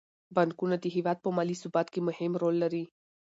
بانکونه د هیواد په مالي ثبات کې مهم دي.